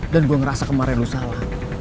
dan gue ngerasa kemarin lo salah